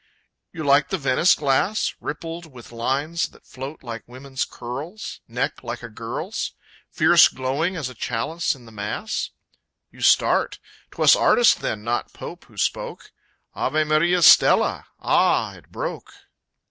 You like the Venice glass? Rippled with lines that float like women's curls, Neck like a girl's, Fierce glowing as a chalice in the Mass? You start 'twas artist then, not Pope who spoke! Ave Maria stella! ah, it broke!